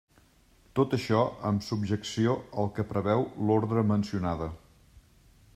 Tot això amb subjecció al que preveu l'ordre mencionada.